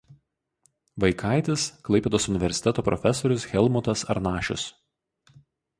Vaikaitis Klaipėdos universiteto profesorius Helmutas Arnašius.